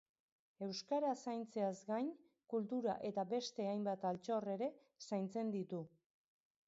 Euskara zaintzeaz gain, kultura eta beste hainbat altxor ere zaintzen ditu.